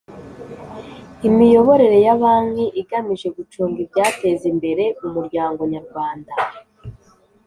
imiyoborere ya banki igamije gucunga ibyateza imbere umuryango nyarwanda